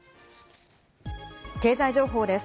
経済情報です。